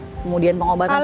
oke kemudian pengobatan